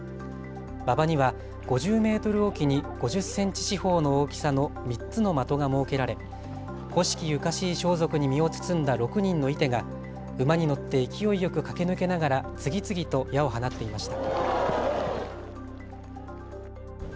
馬場には５０メートルおきに５０センチ四方の大きさの３つの的が設けられ古式ゆかしい装束に身を包んだ６人の射手が馬に乗って勢いよく駆け抜けながら次々と矢を放っていました。